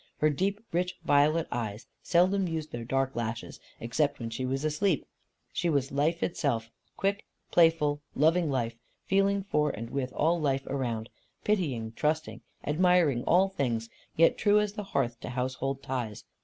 Her deep rich violet eyes seldom used their dark lashes, except when she was asleep. She was life itself, quick, playful, loving life, feeling for and with all life around; pitying, trusting, admiring all things; yet true as the hearth to household ties.